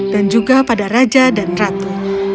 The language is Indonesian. dan juga pada raja dan ratu